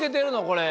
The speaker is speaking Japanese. これ。